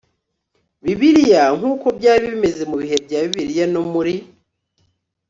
Bibiliya Nk uko byari bimeze mu bihe bya Bibiliya no muri